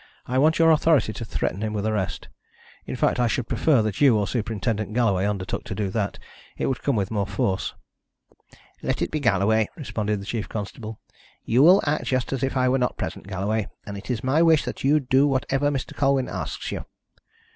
"I want your authority to threaten him with arrest. In fact, I should prefer that you or Superintendent Galloway undertook to do that. It would come with more force." "Let it be Galloway," responded the chief constable. "You will act just as if I were not present, Galloway, and it is my wish that you do whatever Mr. Colwyn asks you."